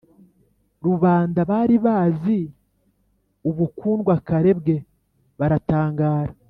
rubanda bari bazi ubukundwakare bwe baratangara.